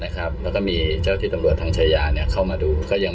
นะครับแล้วก็มีเจ้าที่ตำรวจทางชายาเนี่ยเข้ามาดูก็ยัง